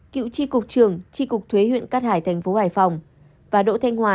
cựu tri cục trường tri cục thuế huyện cát hải tp hải phòng và đỗ thanh hoài